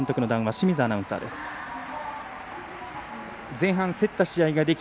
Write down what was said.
清水アナウンサーです。